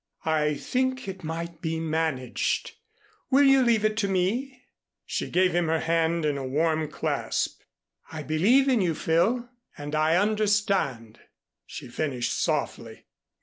"I think it might be managed. Will you leave it to me?" She gave him her hand in a warm clasp. "I believe in you, Phil, and I understand," she finished softly.